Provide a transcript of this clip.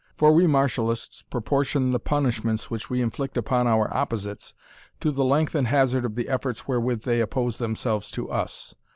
For we martialists proportion the punishments which we inflict upon our opposites, to the length and hazard of the efforts wherewith they oppose themselves to us.